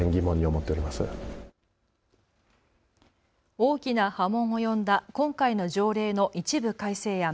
大きな波紋を呼んだ今回の条例の一部改正案。